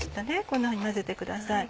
こんなふうに混ぜてください。